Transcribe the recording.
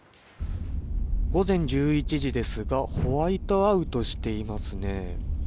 午前１１時ですがホワイトアウトしていますね。